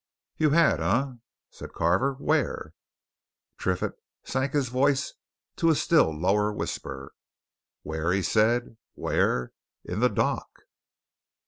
"You had, eh?" said Carver. "Where?" Triffitt sank his voice to a still lower whisper. "Where?" he said. "Where? In the dock!"